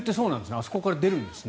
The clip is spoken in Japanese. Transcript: あそこから出るんですね。